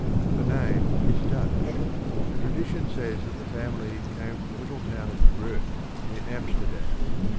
The name is Dutch, and tradition says that the family came from the little town of Broeck near Amster dam.